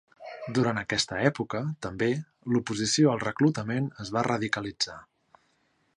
Durant aquesta època, també, l'oposició al reclutament es va radicalitzar.